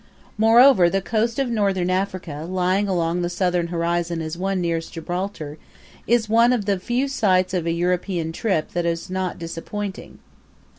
Moreover the coast of Northern Africa, lying along the southern horizon as one nears Gibraltar, is one of the few sights of a European trip that are not disappointing.